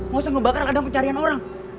gak usah ngebakar ladang pencarian orang